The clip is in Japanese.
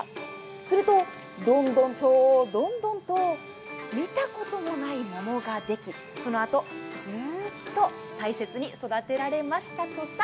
すると、どんどんとどんどんと、見たこともない桃ができ、そのあと、ずーっと大切に育てられましたとさ。